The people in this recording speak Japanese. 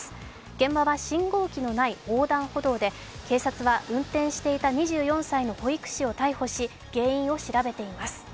現場は信号機のない横断歩道で警察は運転していた２４歳の保育士を逮捕し原因を調べています。